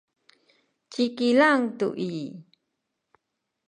ci Kilang tu i